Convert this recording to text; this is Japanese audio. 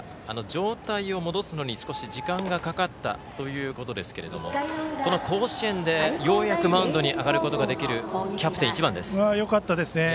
状態を戻すのに少し時間がかかったということですけどこの甲子園でようやくマウンドに上がることができるよかったですね。